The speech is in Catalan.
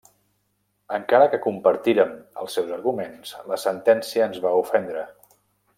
Encara que compartírem els seus arguments, la sentència ens va ofendre.